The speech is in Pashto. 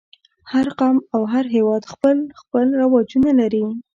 هر قوم او هر هېواد خپل خپل رواجونه لري.